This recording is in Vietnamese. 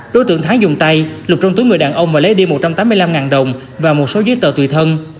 đối tượng thắng dùng tay lục trong túi người đàn ông và lấy đi một trăm tám mươi năm đồng và một số giấy tờ tùy thân